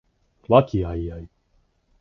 和気藹々